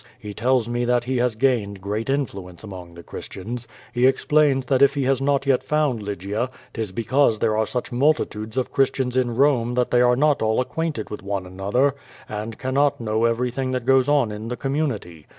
He tells me that he has gained great influence among the Christians. He explains that if he has not yet found Lygia, His because there arc such mul titudes of Christians in Rome that they are not all acquainted with one another, and cannot know everything that goes on in the community.